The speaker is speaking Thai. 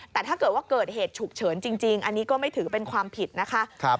แต่ถ้าเกิดว่าเกิดเหตุฉุกเฉินจริงอันนี้ก็ไม่ถือเป็นความผิดนะคะ